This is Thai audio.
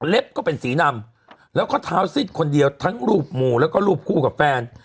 ก็เป็นสีดำแล้วก็เท้าซิดคนเดียวทั้งรูปหมู่แล้วก็รูปคู่กับแฟน